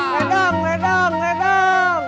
redang redang redang